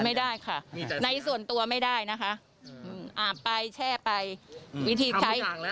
ไม่ได้ค่ะในส่วนตัวไม่ได้นะคะอาบไปแช่ไปวิธีใช้